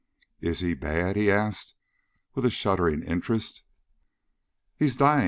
"Is he bad?" he asked with a shuddering interest. "He's dying!"